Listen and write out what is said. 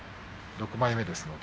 ６枚目ですので。